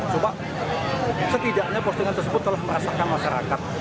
supaya setidaknya postingan tersebut telah merasakan masyarakat